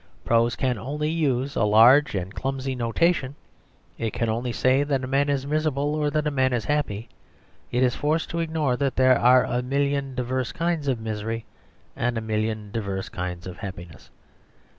Prose can only use a large and clumsy notation; it can only say that a man is miserable, or that a man is happy; it is forced to ignore that there are a million diverse kinds of misery and a million diverse kinds of happiness.